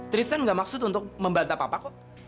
tristan gak maksud untuk membantah papa kok